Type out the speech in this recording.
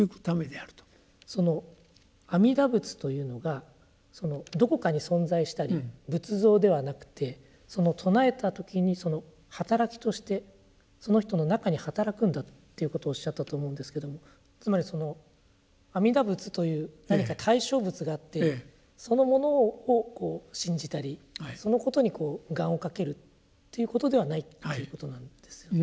その阿弥陀仏というのがどこかに存在したり仏像ではなくてその称えた時にその働きとしてその人の中に働くんだっていうことをおっしゃったと思うんですけどもつまりその阿弥陀仏という何か対象物があってそのものをこう信じたりそのことに願をかけるということではないということなんですよね。